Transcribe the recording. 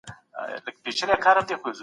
بهرنۍ پالیسي د هیواد سیاسي ثبات پیاوړی کوي.